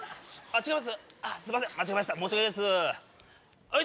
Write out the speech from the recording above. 違います？